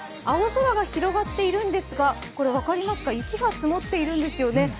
青空が広がっているんですが、分かりますか、雪が積もっているんですよね。